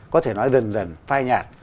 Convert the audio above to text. có thể nói dần dần phai nhạt